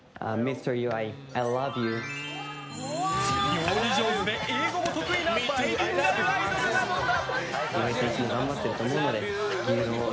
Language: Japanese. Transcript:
料理上手で、英語も得意なバイリンガルアイドルなのだ！